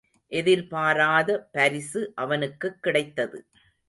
எதிர்பாராத பரிசு அவனுக்குக் கிடைத்தது.